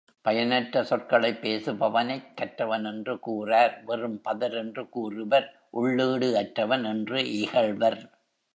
பயனற்ற சொற்களைப் பேசுபவனைக் கற்றவன் என்று கூறார் வெறும் பதர் என்று கூறுவர் உள்ளீடு அற்றவன் என்று இகழ்வர்.